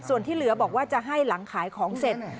ส่วนที่เหลือบอกว่าจะให้หลังขายของเสร็จ